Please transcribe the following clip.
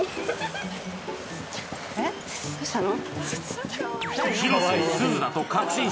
えっどうしたの？